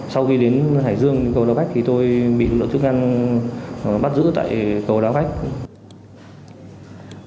sau khi đến hải dương cầu đao bách tôi bị lộ chức ngăn bắt giữ tại cầu đao bách